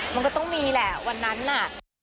มันก็ต้องมีแหละวันนั้นน่ะ